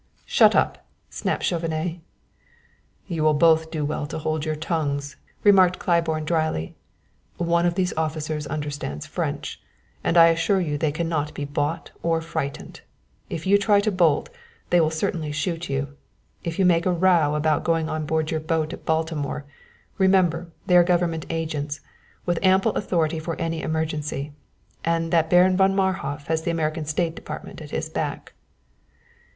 "Shut up!" snapped Chauvenet. "You will both of you do well to hold your tongues," remarked Claiborne dryly. "One of these officers understands French, and I assure you they can not be bought or frightened. If you try to bolt, they will certainly shoot you. If you make a row about going on board your boat at Baltimore, remember they are government agents, with ample authority for any emergency, and that Baron von Marhof has the American State Department at his back."